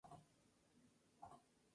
Al este con la provincia Germán Busch.